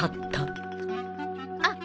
あっ